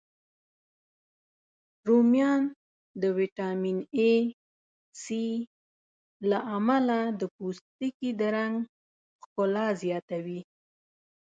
رومیان د ویټامین C، A، له امله د پوستکي د رنګ ښکلا زیاتوی